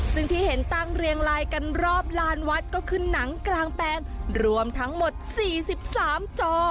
ซึ่งที่เห็นตั้งเรียงลายกันรอบลานวัดก็คือหนังกลางแปลงรวมทั้งหมด๔๓จอ